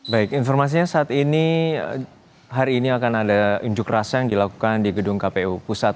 baik informasinya saat ini hari ini akan ada unjuk rasa yang dilakukan di gedung kpu pusat